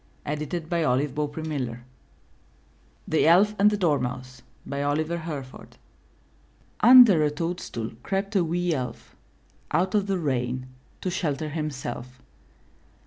*' 431 MY B O O K H O U S E THE ELF AND THE DORMOUSE Oliver Herford Under a toadstool crept a wee Elf, Out of the rain, to shelter himself.